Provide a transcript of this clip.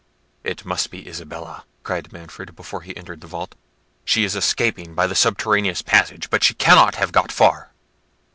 "It must be Isabella," cried Manfred, before he entered the vault. "She is escaping by the subterraneous passage, but she cannot have got far."